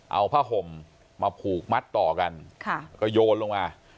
เอาผ้าห่มมาผูกมัดต่อกันก็โยนลงมา